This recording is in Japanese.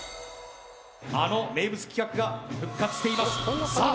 あの名物企画が復活していますさあ